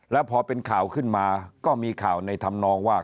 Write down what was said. แล้วพอเป็นข่าวขึ้นมาก็มีข่าวในธรรมนองว่า